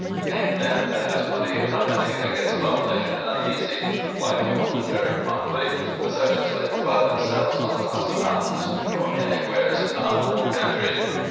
"'T ain't them that has plenty o' company that gits lonely an' uneasy," replied the woman, very promptly, "but such as lays by themselves on the tops of the mountains or anywheres in the unknown kentry."